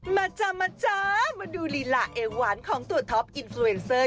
มาจ้ามาจ้ามาดูลีลาเอวหวานของตัวท็อปอินสตราเวนเซอร์